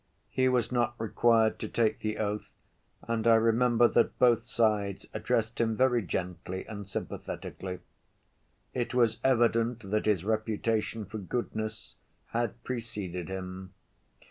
He was not required to take the oath, and I remember that both sides addressed him very gently and sympathetically. It was evident that his reputation for goodness had preceded him.